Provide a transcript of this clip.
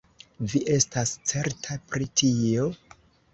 Vi estas certa pri tio?